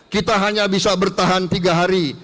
kita hanya bisa bertahan tiga hari